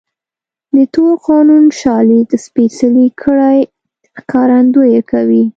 د تور قانون شالید سپېڅلې کړۍ ښکارندويي کوي.